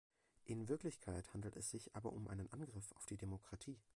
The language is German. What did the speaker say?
In Wirklichkeit handelt es sich aber um einen Angriff auf die Demokratie.